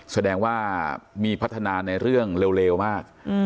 แสดงว่ามีพัฒนาในเรื่องเร็วมาก